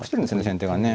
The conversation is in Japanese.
先手がね。